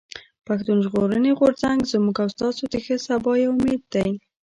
پښتون ژغورني غورځنګ زموږ او ستاسو د ښه سبا يو امېد دی.